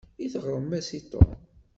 I teɣrem-as i Tom?